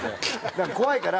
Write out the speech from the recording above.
だから怖いから。